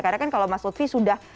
karena kan kalau mas utfi sudah